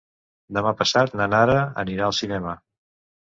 Demà passat na Nara anirà al cinema.